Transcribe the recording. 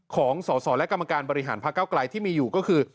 ของสอสอและกรรมการบริหารพักเก้าไกลที่มีอยู่ก็คือ